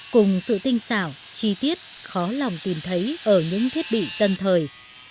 cùng sự tinh xảo chi tiết khó lòng tìm thấy ở những thiết bị tân thời